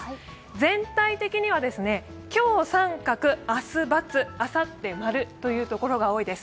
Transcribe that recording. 全体的には今日△、明日×、あさって○というところが多いです。